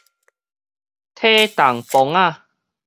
體重磅仔